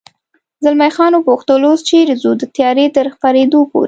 زلمی خان و پوښتل: اوس چېرې ځو؟ د تیارې تر خپرېدو پورې.